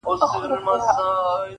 علم د دواړو جهانونو رڼا ده -